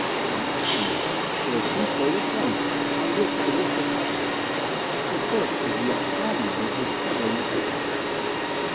"Now, Admiral, there are two further points on which I wish enlightenment. The first is the opthalmia which is troubling the patient."